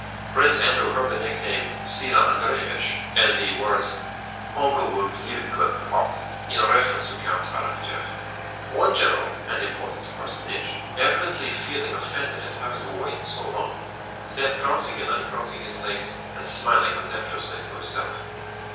Prince Andrew heard the nickname "Síla Andréevich" and the words, "Uncle will give it to us hot," in reference to Count Arakchéev. One general (an important personage), evidently feeling offended at having to wait so long, sat crossing and uncrossing his legs and smiling contemptuously to himself.